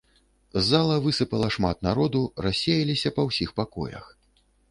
З зала высыпала шмат народу, рассеяліся па ўсіх пакоях.